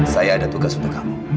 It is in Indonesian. saya ada tugas untuk kamu